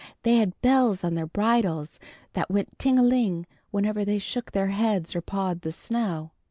They had bells on their bridles which went ting a ling whenever they shook their heads or pawed the snow.